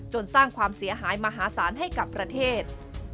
สร้างความเสียหายมหาศาลให้กับประเทศ